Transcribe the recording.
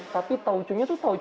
tapi tauco nya tuh tauco ya